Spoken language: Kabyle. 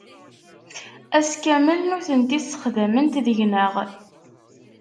Ass kamel nutenti ssexdament deg-neɣ.